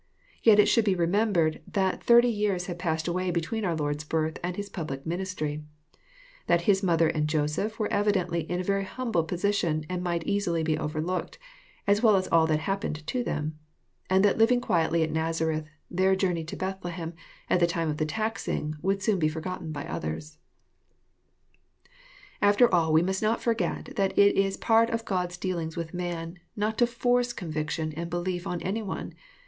Yet it should be remembered that thirty years had passed away between our Lord's birth and His public ministry, — that His mother and Joseph were evidently in a very humble position and might easily be overlooked, as well as all that hap pened to them, — and that living quietly at Nazareth, their Jour ney to Bethlehem at the time of the taxing" would soon be forgotten by others. After all we must not forget that it is part of God's dealings with man, not to forc^ conviction and belief on any one.